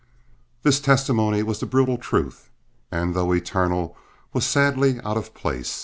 This testimony was the brutal truth, and though eternal, was sadly out of place.